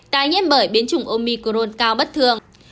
tái nhiễm bởi biến chủng omicron cao bất thường